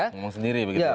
ngomong sendiri begitu ya